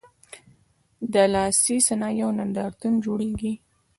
د لاسي صنایعو نندارتونونه جوړیږي؟